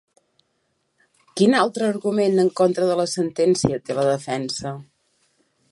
Quin altre argument en contra de la sentència té la defensa?